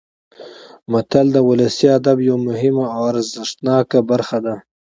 متل د ولسي ادب یوه مهمه او ارزښتناکه برخه ده